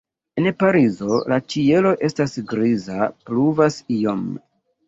En Parizo la ĉielo estas griza, pluvas iom.